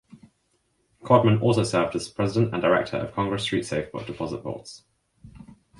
Codman also served as president and director of Congress Street Safe Deposit Vaults.